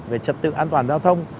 về trật tự an toàn giao thông